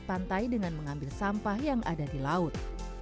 pantai dengan mengambil sampah yang ada di laut